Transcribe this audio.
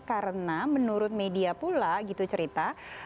karena menurut media pula gitu cerita